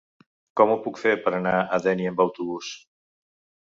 Com ho puc fer per anar a Dénia amb autobús?